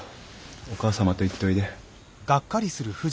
お母様と行っておいで。